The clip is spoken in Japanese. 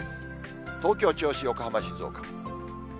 東京、銚子、横浜、静岡。